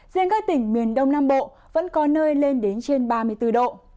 riêng các tỉnh miền đông nam bộ vẫn có nơi lên đến trên ba mươi bốn độ